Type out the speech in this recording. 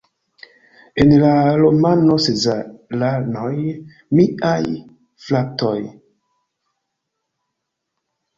En la romano Sezaranoj miaj fratoj!